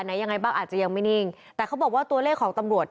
ยังไงบ้างอาจจะยังไม่นิ่งแต่เขาบอกว่าตัวเลขของตำรวจ